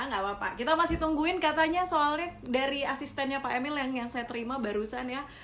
nggak apa apa kita masih tungguin katanya soalnya dari asistennya pak emil yang saya terima barusan ya